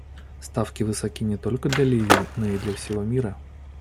Ставки высоки не только для Ливии, но и для всего мира.